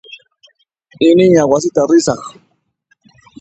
Iñina wasita risaq.